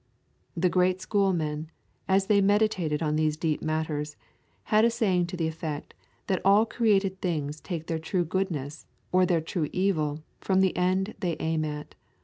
The great schoolmen, as they meditated on these deep matters, had a saying to the effect that all created things take their true goodness or their true evil from the end they aim at.